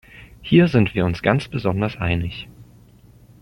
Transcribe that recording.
Hier sind wir uns ganz besonders einig.